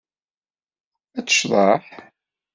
Ad tecḍeḥ.